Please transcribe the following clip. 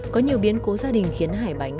có nhiều biến cố gia đình khiến hải bánh